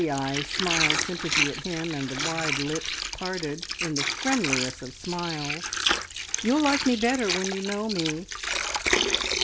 The eyes smiled sympathy at him, and the wide lips parted in the friendliest of smiles. "You'll like me better when you know me!"